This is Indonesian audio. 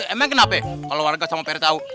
emang kenapa ya kalau warga sama pak rt tau